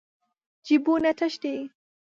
جېبونه تش دي.